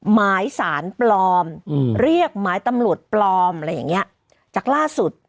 หมายสารปลอมอืมเรียกหมายตำรวจปลอมอะไรอย่างเงี้ยจากล่าสุด